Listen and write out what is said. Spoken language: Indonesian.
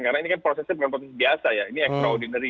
karena ini kan prosesnya bukan proses biasa ya ini extraordinary